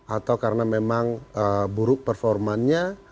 atau karena memang buruk performanya